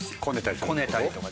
こねたりとか。